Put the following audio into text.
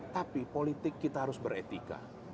tapi politik kita harus beretika